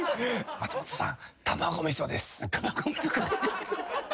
松本さん。